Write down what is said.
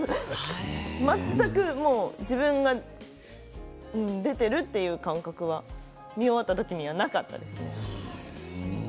全く自分が出ているという感覚は見終わった時にはなかったです。